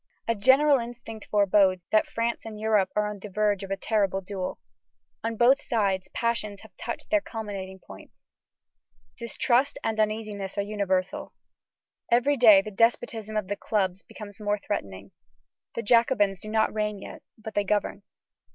A general instinct forebodes that France and Europe are on the verge of a terrible duel. On both sides passions have touched their culminating point. Distrust and uneasiness are universal. Every day the despotism of the clubs becomes more threatening. The Jacobins do not reign yet, but they govern.